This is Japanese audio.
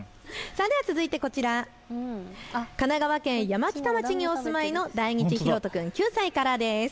続いてはこちら、神奈川県山北町にお住まいのだいにちひろと君、９歳からです。